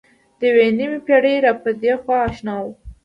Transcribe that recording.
د یوې نیمې پېړۍ را پدېخوا اشنا وه.